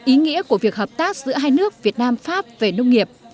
ý nghĩa của việc hợp tác giữa hai nước việt nam pháp về nông nghiệp